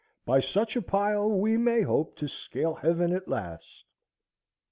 By such a pile we may hope to scale heaven at last.